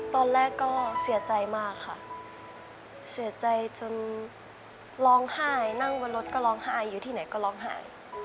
ตอนแรกก็เสียใจมากค่ะเสียใจจนร้องไห้นั่งบนรถก็ร้องไห้อยู่ที่ไหนก็ร้องไห้